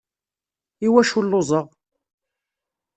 Iwacu lluẓeɣ?